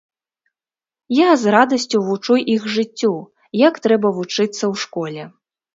Я з радасцю вучу іх жыццю, як трэба вучыцца ў школе.